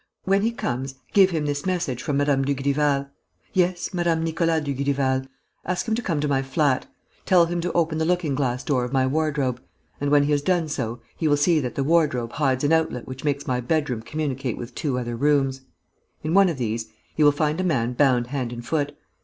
When he comes, give him this message from Mme. Dugrival.... Yes, Mme. Nicolas Dugrival.... Ask him to come to my flat. Tell him to open the looking glass door of my wardrobe; and, when he has done so, he will see that the wardrobe hides an outlet which makes my bedroom communicate with two other rooms. In one of these, he will find a man bound hand and foot.